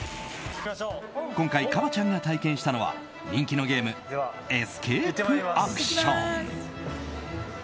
今回ＫＡＢＡ．ちゃんが体験したのは人気のゲームエスケープアクション。